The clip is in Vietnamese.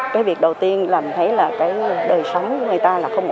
cái việc đầu tiên là mình thấy là cái đời sống của người ta là không